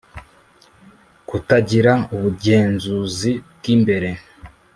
Kutagira ubugenzuzi bw imbere